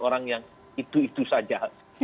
orang yang itu itu saja